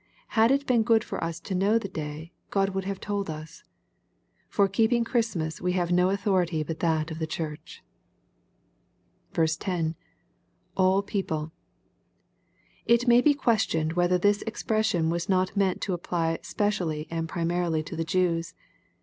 Had it been good for us to know the day, God would have told us. For keeping Christmas we have no authority but that of the church. 10. — [All people.] It may be questioned whether this expression was not meant to apply specially and primarily to the Jews.